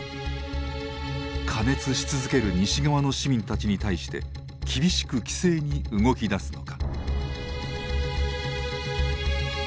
過熱し続ける西側の市民たちに対して厳しく規制に動きだすのか。